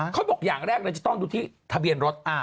เขาบอกอย่างแรกเลยจะต้องดูที่ทะเบียนรถ